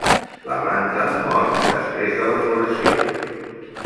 La planta mor després de la floració.